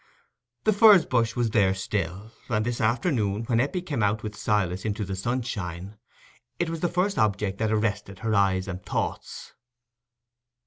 The furze bush was there still; and this afternoon, when Eppie came out with Silas into the sunshine, it was the first object that arrested her eyes and thoughts.